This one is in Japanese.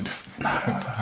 なるほどね。